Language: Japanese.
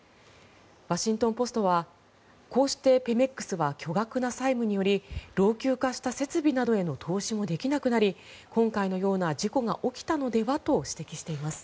ワシントン・ポストはこうしてペメックスは巨額な債務により老朽化した設備などへの投資ができなくなり今回のような事故が起きたのではと指摘しています。